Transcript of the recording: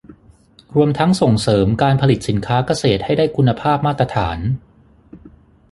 รวมทั้งส่งเสริมการผลิตสินค้าเกษตรให้ได้คุณภาพมาตรฐาน